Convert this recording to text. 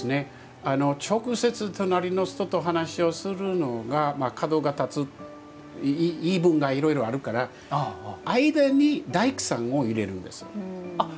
直接、隣の人とお話をするのが角が立つ言い分がいろいろあるから間に大工さんを入れるんですよ。